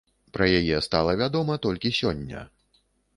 Пра яе стала вядома толькі сёння.